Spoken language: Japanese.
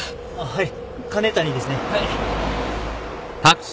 はい。